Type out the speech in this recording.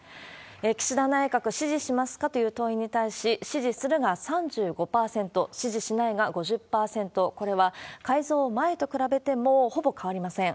岸田内閣、支持しますか？という問いに対し、支持するが３５％、支持しないが５０％、これは改造前と比べても、ほぼ変わりません。